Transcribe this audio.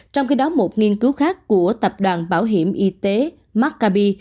trong khi đó một nghiên cứu khác của tập đoàn bảo hiểm y tế maccabi